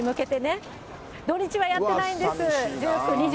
土日ないの？土日はやってないんです。